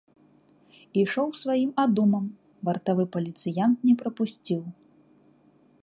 Ішоў сваім адумам, вартавы паліцыянт не прапусціў.